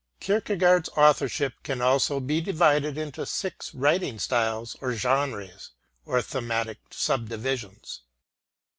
Kierkegaard's authorship can also be divided into six main writing styles or genres or thematic subdivisions.